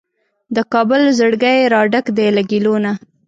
د کابل زړګی راډک دی له ګیلو نه